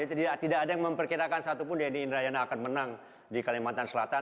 tidak ada yang memperkirakan satupun denny indrayana akan menang di kalimantan selatan